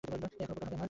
একটা উপকার করবে আমার?